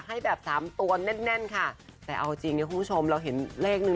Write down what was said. ให้แบบสามตัวแน่นแน่นค่ะแต่เอาจริงเนี่ยคุณผู้ชมเราเห็นเลขนึง